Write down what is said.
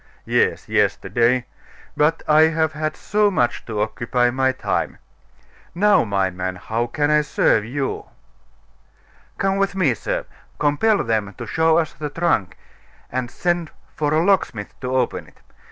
"Yes, yesterday; but I have had so much to occupy my time. Now, my man, how can I serve you?" "Come with me, sir; compel them to show us the trunk, and send for a locksmith to open it.